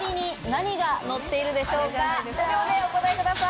５秒でお答えください。